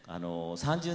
３０年？